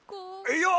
いや！